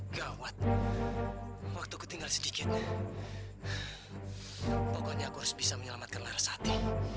gawat waktu ketinggal sedikitnya pokoknya kurus bisa menyelamatkan reshati